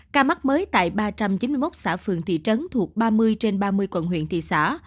ca mắc mới tại ba trăm chín mươi một xã phường thị trấn thuộc ba mươi trên ba mươi quận huyện thị xã